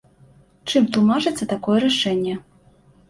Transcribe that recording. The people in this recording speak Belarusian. Чым тлумачыцца такое рашэнне?